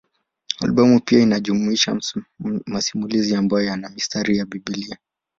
Albamu pia inajumuisha masimulizi ambayo yana mistari ya Biblia.